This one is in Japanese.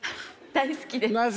大好きです。